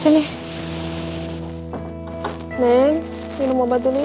sini sini absorbed itu ribut sangat diperlukan